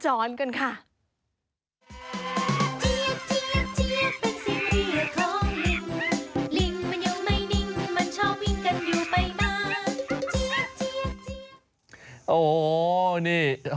เจี๊ยกเจี๊ยกเจี๊ยกเป็นเสียงเรียกของลิง